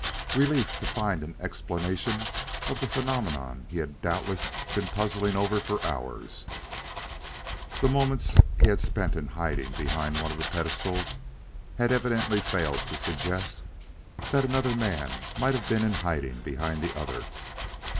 "Relief to find an explanation of the phenomenon he had doubtless been puzzling over for hours. The moments he had spent in hiding behind one pedestal had evidently failed to suggest that another man might have been in hiding behind the other."